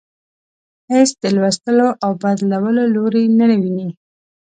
هیڅ د لوستلو او بدلولو لوری نه ويني.